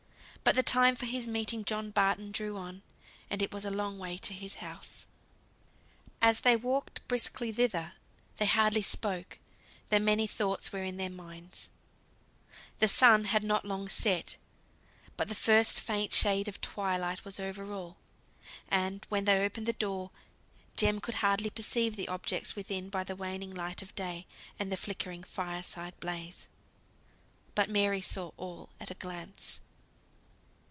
But the time for his meeting John Barton drew on: and it was a long way to his house. As they walked briskly thither they hardly spoke; though many thoughts were in their minds. The sun had not long set, but the first faint shade of twilight was over all; and when they opened the door, Jem could hardly perceive the objects within by the waning light of day, and the flickering fire blaze. But Mary saw all at a glance!